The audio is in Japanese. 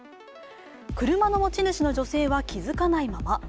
車の持ち主の女性は気づかないまま。